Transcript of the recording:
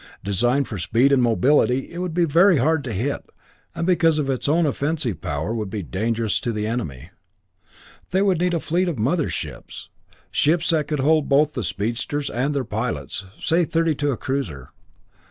Designed for speed and mobility, it would be very hard to hit, and because of its own offensive power would be dangerous to the enemy. They would need a fleet of mother ships ships that would hold both the speedsters and their pilots say thirty to a cruiser.